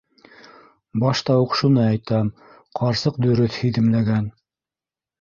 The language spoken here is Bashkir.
Башта уҡ шуны әйтәм: ҡарсыҡ дөрөҫ һиҙемләгән.